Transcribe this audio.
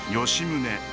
吉宗